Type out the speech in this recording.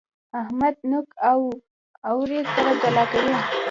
احمد نوک او اورۍ سره جلا کوي.